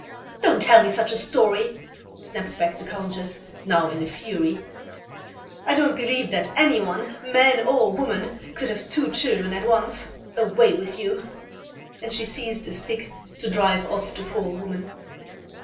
"Don't tell me such a story," snapped back the Countess, now in a fury. "I don't believe that any one, man or woman, could have two children at once. Away with you," and she seized a stick to drive off the poor woman.